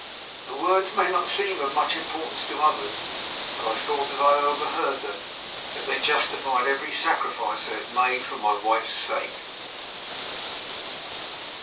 The words may not seem of much importance to others; but I thought, as I overheard them, that they justified every sacrifice I had made for my wife's sake.